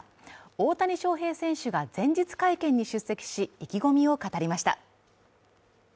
大谷翔平選手が前日会見に出席し、意気込みを語りました。